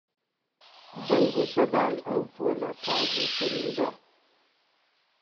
دەنگ و سەدای ئەو پۆلە قاز و قورینگە